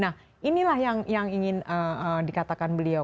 nah inilah yang ingin dikatakan beliau